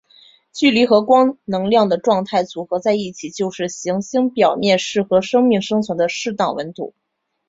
距离和光能量的状态组合在一起就是行星表面适合生命生存的适当温度。